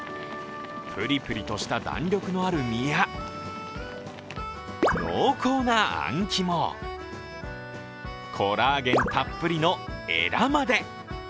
プリプリとした弾力のある身や濃厚なあんきも、コラーゲンたっぷりのエラまで。